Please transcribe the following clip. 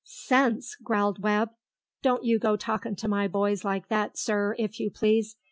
"Sense!" growled Webb. "Don't you go talking to my boys like that, sir, if you please.